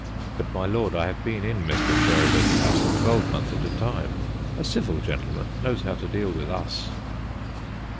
' But, my Lord, I have been in Mr. Sheri dan's house a twelvemonth at a time ; a civil gentleman knows how to deal with us.'